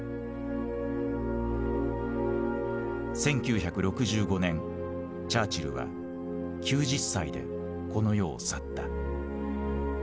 １９６５年チャーチルは９０歳でこの世を去った。